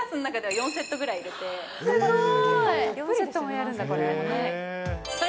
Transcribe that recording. ４セットもやるんだ、これ。